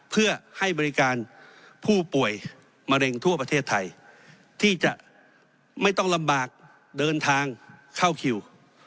เพื่อให้บริการผู้ป่วยมะเร็งทั่วประเทศไทยที่จะไม่ต้องลำบากเดินทางเข้าคิว